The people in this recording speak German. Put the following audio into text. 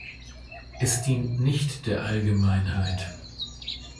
Es dient nicht der Allgemeinheit.